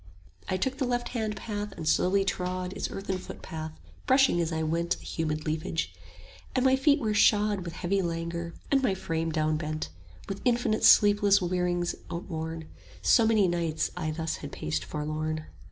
I took the left hand path and slowly trod Its earthen footpath, brushing as I went The humid leafage; and my feet were shod With heavy languor, and my frame downbent, 10 With infinite sleepless weariness outworn, So many nights I thus had paced forlorn.